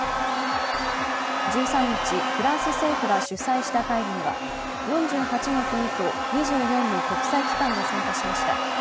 １３日、フランス政府が主催した会議は４８の国と２４の国際機関が参加しました。